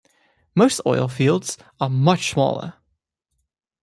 Most oil fields are much smaller.